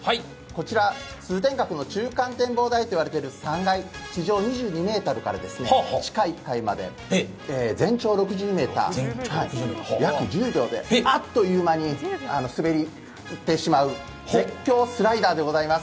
通天閣の中間展望台と呼ばれている３階、地上２２ｍから地下１階まで全長６０ｍを約１０秒であっという間に滑ってしまう絶叫スライダーでございます。